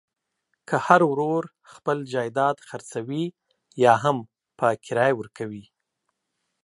که هر ورور خپل جایداد خرڅوي یاهم په کرایه ورکوي.